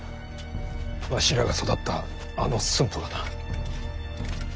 わしらが育ったあの駿府がな。